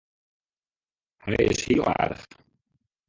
Hy is hiel aardich.